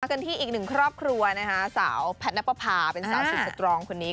มากันที่อีก๑ครอบครัวสาวแพตนักภาพาเป็นสาวสุดสตรองคนนี้